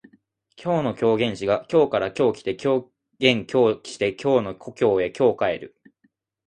今日の狂言師が京から今日来て狂言今日して京の故郷へ今日帰る